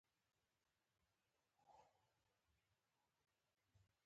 شاوخوا ډېره ښکلې ښېرازي وه.